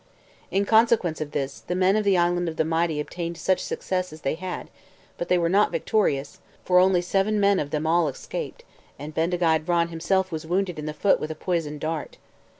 In consequence of this, the men of the Island of the Mighty obtained such success as they had; but they were not victorious, for only seven men of them all escaped, and Bendigeid Vran himself was wounded in the foot with a poisoned dart.